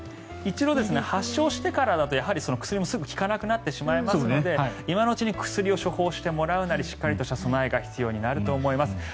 一度発症してからだと薬も効かなくなってしまいますので今のうちに薬を処方してもらうなりしっかりとした備えが必要になると思います。